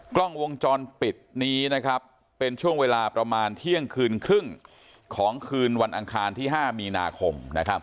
กล้องวงจรปิดนี้นะครับเป็นช่วงเวลาประมาณเที่ยงคืนครึ่งของคืนวันอังคารที่๕มีนาคม